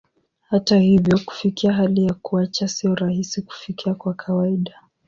Hata hivyo, kufikia hali ya kuacha sio rahisi kufikia kwa kawaida.